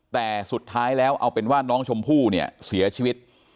แต่สุดท้ายแล้วเอาเป็นว่าน้องชมพู่เนี่ยเสียชีวิต